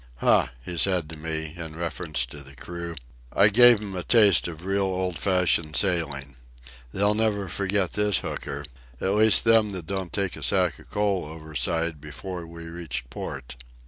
"Huh!" he said to me, in reference to the crew; "I gave 'em a taste of real old fashioned sailing. They'll never forget this hooker—at least them that don't take a sack of coal overside before we reach port."